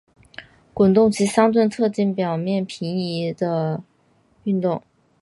滚动及相对特定表面平移的的运动。